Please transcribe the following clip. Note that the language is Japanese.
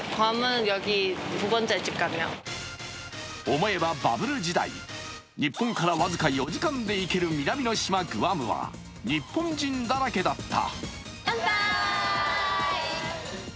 思えばバブル時代日本から僅か４時間で行ける南の島グアムは日本人だらけだった。